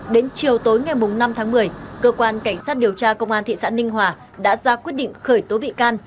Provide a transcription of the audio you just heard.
đến chiều tối ngày năm tháng một mươi cơ quan cảnh sát điều tra công an thị xã ninh hòa đã ra quyết định khởi tố bị can